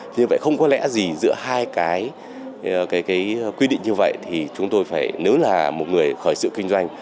như vậy không có lẽ gì giữa hai cái quy định như vậy thì chúng tôi phải nếu là một người khởi sự kinh doanh